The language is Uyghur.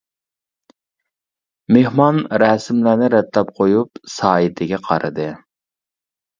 مېھمان رەسىملەرنى رەتلەپ قويۇپ سائىتىگە قارىدى.